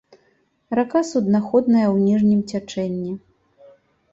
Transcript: Рака суднаходная ў ніжнім цячэнні.